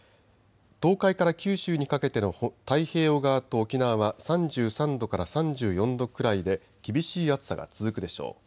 東海から九州にかけての太平洋側と沖縄は３３度から３４度くらいで厳しい暑さが続くでしょう。